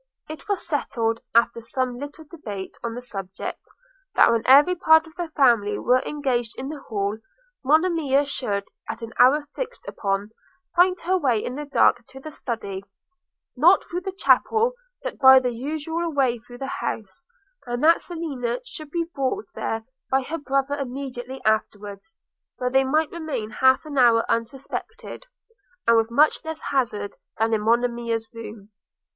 It was settled, after some little debate on the subject, that when every part of the family were engaged in the hall, Monimia should, at an hour fixed upon, find her way in the dark to the Study; not through the chapel, but by the usual way through the house; and that Selina should be brought there by her brother immediately afterwards, where they might remain half an hour unsuspected, and with much less hazard than in Monimia's room.